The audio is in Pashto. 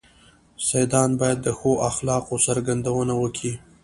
سيدان بايد د ښو اخلاقو څرګندونه وکي.